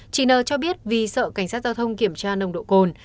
chị n cho biết vì sợ cảnh sát giao thông kiểm tra nồng độ cồn